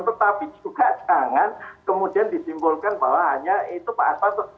tetapi juga jangan kemudian disimbolkan bahwa hanya itu pak aswanto